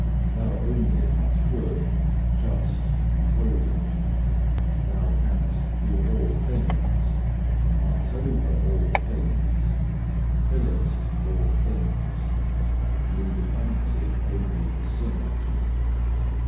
Thou only art good, just and holy; Thou canst do all things, art over all things, fillest all things, leaving empty only the sinner.